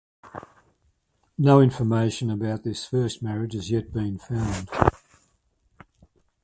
No information about this first marriage has yet been found.